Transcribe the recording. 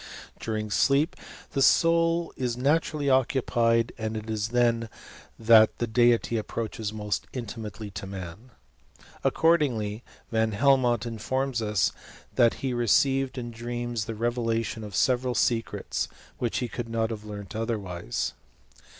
During sleep the soul is naturally occupied, and it is then that the deity approaches most intimately to man. Accordingly, Van Helmont informs us, that he received in dreams, the revelation of several secrets, which he could not have learnt otherwise.